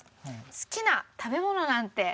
好きな食べ物なんて。